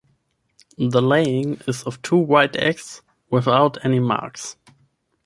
The laying is of two white eggs without any marks.